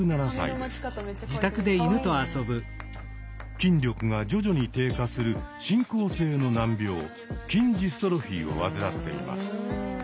筋力が徐々に低下する進行性の難病筋ジストロフィーを患っています。